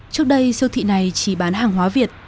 trước đây siêu thị này chỉ bán hàng hóa việt